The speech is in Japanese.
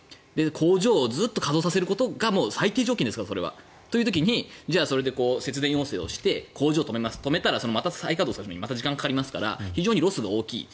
工場をずっと稼働させることが最低条件ですから、それは。という時にそれで節電要請をして工場を止めて止めたらまた再稼働させるのに時間かかりますから非常にロスが大きい。